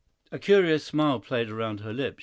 A curious smile played around her lips.